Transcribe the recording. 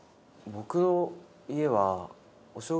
僕の家は。